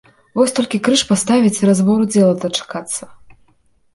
Вось толькі крыж паставіць і разбору дзела дачакацца!